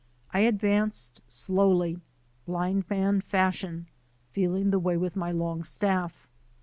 I advanced slowly, blind man fashion, feeling the way with my long staff.